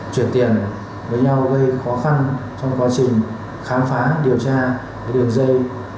chuyển tiền với nhau gây khó khăn trong quá trình khám phá điều tra đường dây